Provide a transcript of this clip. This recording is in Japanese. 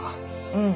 うん。